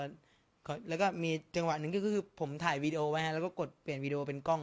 แล้วก็มีจังหวะหนึ่งก็คือผมถ่ายวีดีโอไว้แล้วก็กดเปลี่ยนวีดีโอเป็นกล้อง